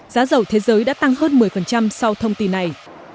giá dầu thế giới đã tăng hơn một mươi sau thông tin này